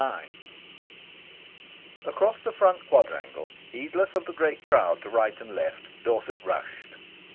IX Across the Front Quadrangle, heedless of the great crowd to right and left, Dorset rushed.